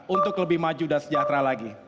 untuk lebih maju dan sejahtera lagi